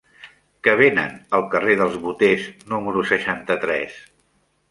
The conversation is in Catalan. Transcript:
Què venen al carrer dels Boters número seixanta-tres?